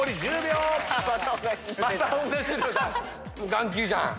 眼球じゃん。